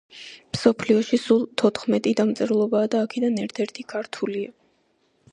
მსოფლიოში სულ თოთხმეტი დამწერლობაა და აქედან ერთ-ერთი ქართულია.